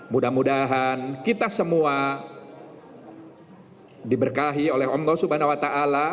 mudah mudahan kita semua diberkahi oleh umroh subhanahu wa ta'ala